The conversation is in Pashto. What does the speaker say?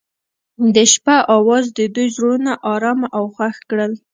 د شپه اواز د دوی زړونه ارامه او خوښ کړل.